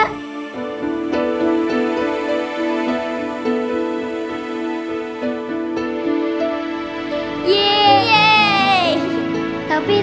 tante tinggal sama kita ya